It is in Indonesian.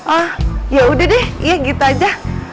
ah yaudah deh ya gitu aja